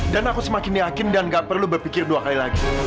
dan aku semakin yakin dan gak perlu berpikir dua kali lagi